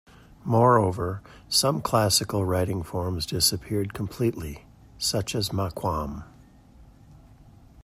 Moreover, some classical writing forms disappeared completely, such as Maqam.